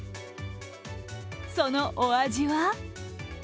そのお味は？